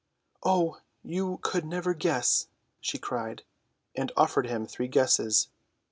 "Oh, you could never guess!" she cried, and offered him three guesses.